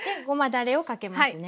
だれをかけますね。